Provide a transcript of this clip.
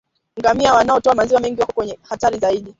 Ngamia wanaotoa maziwa mengi wako kwenye hatari zaidi